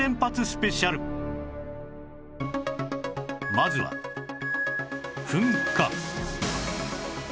まずは噴火